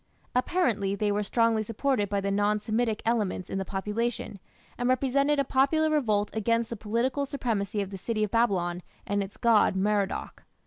Apparently they were strongly supported by the non Semitic elements in the population, and represented a popular revolt against the political supremacy of the city of Babylon and its god Merodach.